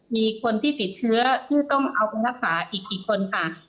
มีคนที่ติดเชื้อที่ต้องเอาไปรักษาอีกกี่คนค่ะ